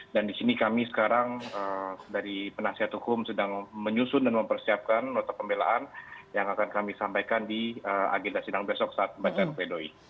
dan di sini kami sekarang dari penasihat hukum sedang menyusun dan mempersiapkan notak pembelaan yang akan kami sampaikan di agenda sidao besok saat beban jari pedoy